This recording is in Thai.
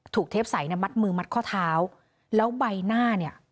เทปใสเนี่ยมัดมือมัดข้อเท้าแล้วใบหน้าเนี่ย